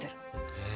へえ。